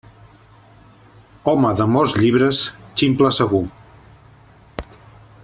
Home de molts llibres, ximple segur.